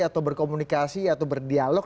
atau berkomunikasi atau berdialog